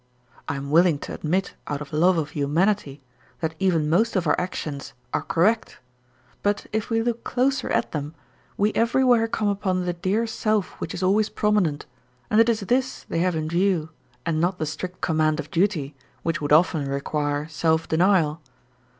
I am willing to admit out of love of humanity that even most of our actions are correct, but if we look closer at them we everywhere come upon the dear self which is always prominent, and it is this they have in view and not the strict command of duty which would often require self denial.